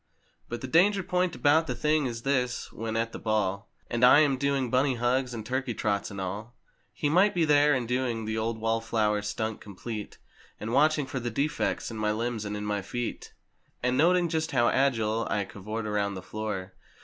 But the danger point about the thing is this: when at the ball And I am doing "Bunny hugs" and "Turkey trots" and all. He might be there, and doing the old wall flower stunt complete. And watching for the defects in my limbs and in my feet, And noting just how agile I cavort around the floor.